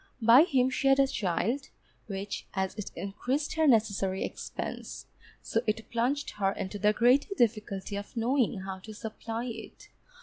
By him she had a child, which as it increased her necessary expense, so it plunged her into the greater difficulty of knowing how to supply it.